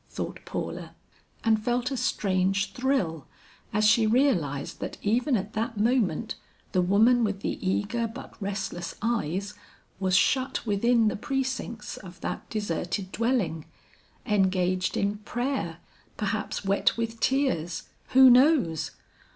thought Paula, and felt a strange thrill as she realized that even at that moment, the woman with the eager but restless eyes, was shut within the precincts of that deserted dwelling, engaged in prayer, perhaps wet with tears, who knows?